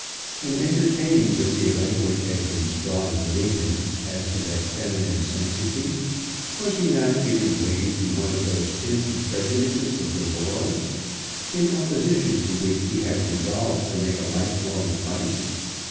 In entertaining the feeling which had been strong within him as to that feminine sanctity, was he not giving way to one of those empty prejudices of the world, in opposition to which he had resolved to make a life long fight?